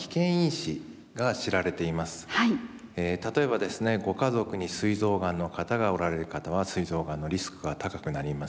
例えばですねご家族にすい臓がんの方がおられる方はすい臓がんのリスクが高くなりますし